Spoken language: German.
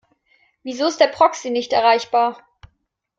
Wieso ist der Proxy nicht erreichbar?